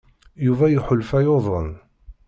Yuba iḥulfa yuḍen.